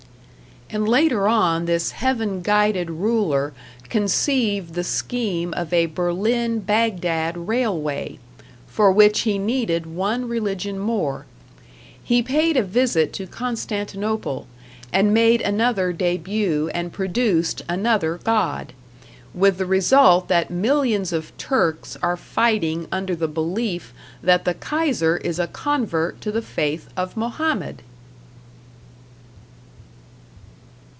And later on this heaven guided ruler conceived the scheme of a Berlin Bagdad railway, for which he needed one religion more; he paid a visit to Constantinople, and made another debut and produced another god with the result that millions of Turks are fighting under the belief that the Kaiser is a convert to the faith of Mohammed!